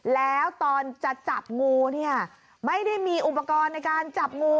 แล้วตอนจะจับงูเนี่ยไม่ได้มีอุปกรณ์ในการจับงู